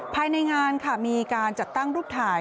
ภายในงานค่ะมีการจัดตั้งรูปถ่าย